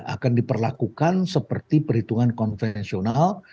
akan diperlakukan seperti perhitungan konvensional